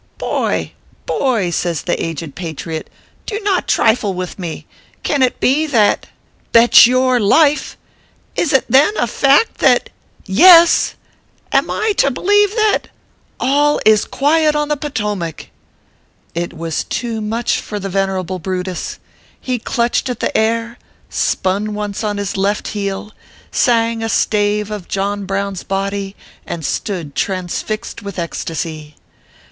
"Boy, boy !" says the aged patriot, "do not trifle with me. Can it be that " OUl HKUS C. KKKK 1 AVKKS. 221 " Bet your life" " Is it then a fact that " Yes" " Am I to believe that" "ALL IS QUIET ON THE POTOMAC !" It was too much for the venerable Brutus ; he clutched at the air, spun once on his left heel, sang a stave of John Brown s body, and stood transfixed with ecstacy.